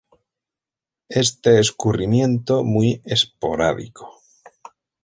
Es de escurrimiento muy esporádico.